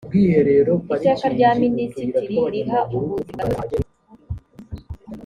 iteka rya minisitiri riha ubuzimagatozi